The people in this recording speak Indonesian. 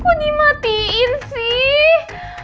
kok dimatiin sih